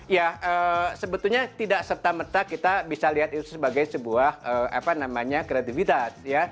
ya sebetulnya tidak serta merta kita bisa lihat itu sebagai sebuah kreativitas